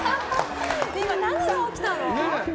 何が起きたの。